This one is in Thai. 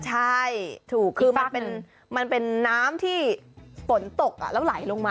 ใช่ถูกคือมันเป็นน้ำที่ฝนตกแล้วไหลลงมา